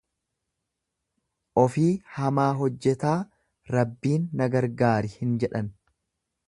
Ofii hamaa hojjetaa Rabbiin na gargaari hin jedhan.